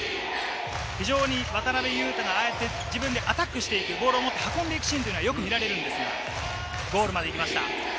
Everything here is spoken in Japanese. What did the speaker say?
渡邊雄太が自分でアタックしていく、ボールを運んでいくシーンはよく見られるんですが、ゴールまで行きました。